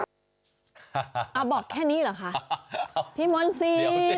เอาบอกแค่นี้เหรอคะพี่มนต์สิทธิ์